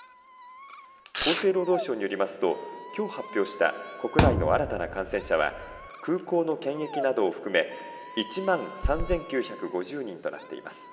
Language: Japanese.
厚生労働省によりますときょう発表した国内の新たな感染者は空港の検疫などを含め１万３９５０人となっています。